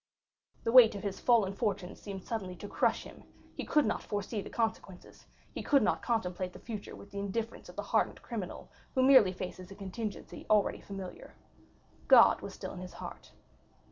All the weight of his fallen fortune seemed suddenly to crush him; he could not foresee the consequences; he could not contemplate the future with the indifference of the hardened criminal who merely faces a contingency already familiar. God was still in his heart.